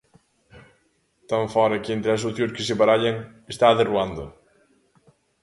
Tan fóra que entre as opcións que se barallan está a de Ruanda.